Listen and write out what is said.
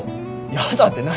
「やだ」って何？